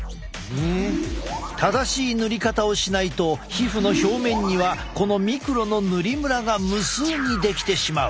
正しい塗り方をしないと皮膚の表面にはこのミクロの塗りムラが無数にできてしまう。